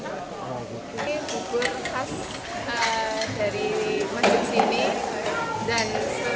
tapi lomboknya selalu kesini mbak